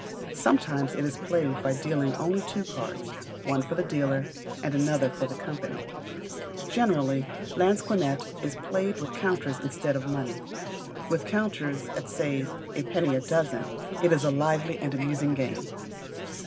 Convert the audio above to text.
Sometimes it is played by dealing only two cards, one for the dealer, and another for the company. Generally Lansquenet is played with counters instead of money. With counters at (say) a penny a dozen, it is a lively and amusing game.